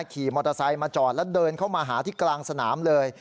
ขี่มอเตอร์ไซค์มาจอดแล้วเดินเข้ามาหาที่กลางสนามเลย